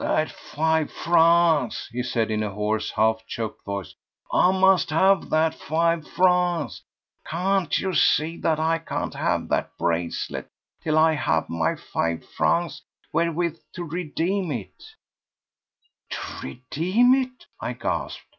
"That five francs," he said in a hoarse, half choked voice. "I must have that five francs! Can't you see that I can't have that bracelet till I have my five francs wherewith to redeem it?" "To redeem it!" I gasped.